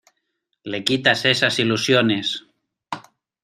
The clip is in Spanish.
le quitas esas ilusiones.